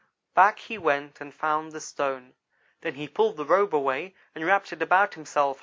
"Back he went and found the stone. Then he pulled the robe away, and wrapped it about himself.